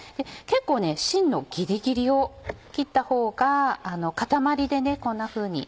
結構芯のギリギリを切ったほうが固まりでこんなふうに。